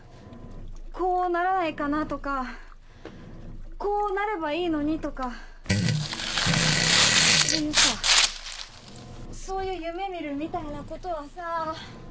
こうならないかなとかこうなればいいのにとかそういうさそういう夢見るみたいなことはさ